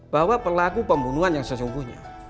bahwa pelaku pembunuhan yang sesungguhnya